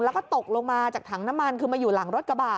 แล้วก็ตกลงมาจากถังน้ำมันคือมาอยู่หลังรถกระบะ